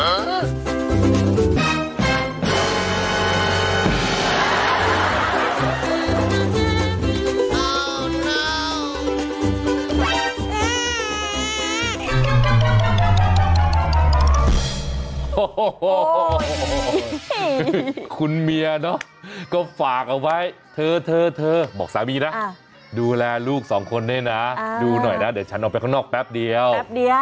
โอ้โหคุณเมียเนาะก็ฝากเอาไว้เธอเธอบอกสามีนะดูแลลูกสองคนด้วยนะดูหน่อยนะเดี๋ยวฉันออกไปข้างนอกแป๊บเดียวแป๊บเดียว